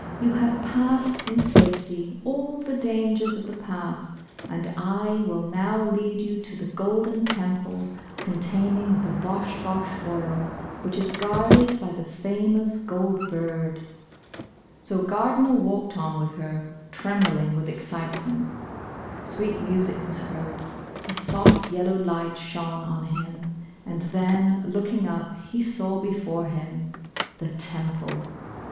You have passed in safety all the dangers of the path, and I will now lead you to the Golden Temple, containing the Bosh Bosh Oil, which is guarded by the famous Gold Bird." So Gardner walked on with her, trembling with 30 Bosh Bosh Oil. excitement. Sweet music was heard — a soft yel low light shone on him, and then, looking up, he saw before him — the Temple.